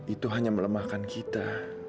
itu hanya melemahkan kita